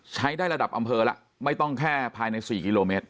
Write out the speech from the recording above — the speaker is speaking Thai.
ใช้ได้ระดับอำเภอแล้วไม่ต้องแค่ภายใน๔กิโลเมตร